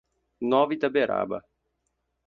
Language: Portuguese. Nova Itaberaba